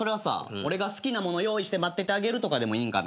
俺が好きなもの用意して待っててあげるとかでもいいんかな？